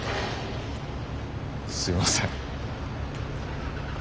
すいません。